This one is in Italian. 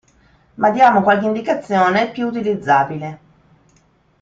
Ma diamo qualche indicazione più utilizzabile.